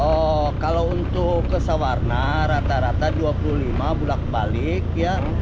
oh kalau untuk ke sawarna rata rata dua puluh lima bulat balik ya